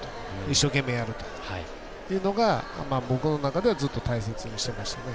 一生懸命やるというのが僕の中ではずっと大切にしてましたね。